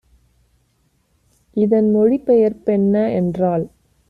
இதன் மொழிபெயர்ப் பென்ன என்றால்